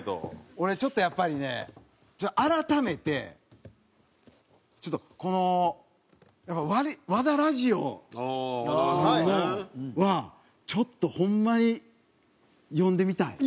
俺ちょっとやっぱりね改めてちょっとこの『和田ラヂヲ』はちょっとホンマに読んでみたい。